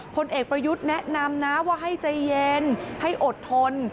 ผลเอกประยุทธ์แนะนำนะว่าให้ใจเย็นให้อดทน